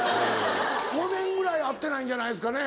５年ぐらい会ってないんじゃないですかね？